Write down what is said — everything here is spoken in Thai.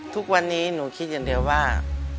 ทุกวันนี้หนูคิดอย่างเดียวว่า